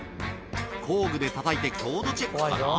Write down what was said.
工具でたたいて、強度チェックかな？